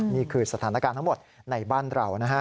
นี่คือสถานการณ์ทั้งหมดในบ้านเรานะฮะ